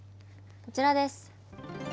こちらです。